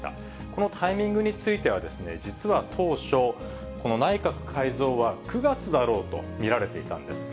このタイミングについては、実は当初、この内閣改造は９月だろうと見られていたんです。